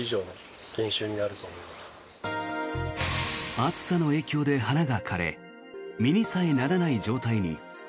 暑さの影響で花が枯れ実にさえならない状態に。